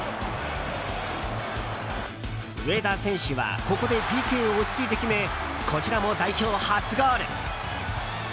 上田選手はここでＰＫを落ち着いて決めこちらも代表初ゴール。